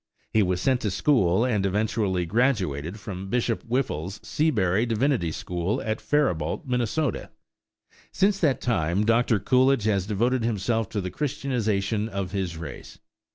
He was sent to school and eventually graduated from Bishop Whipple's Seabury Divinity School at Faribault, Minn. Since that time Doctor Coolidge has devoted himself to the Christianization of his race.